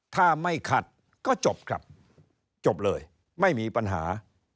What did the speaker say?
ถ้าไม่ขัดก็จบครับจบเลยไม่มีปัญหา